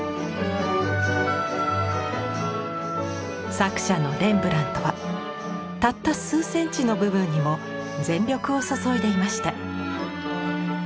作者のレンブラントはたった数センチの部分にも全力を注いでいました。